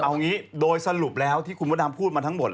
เอางี้โดยสรุปแล้วที่คุณพระดำพูดมาทั้งหมด